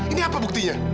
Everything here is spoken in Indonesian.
ini apa buktinya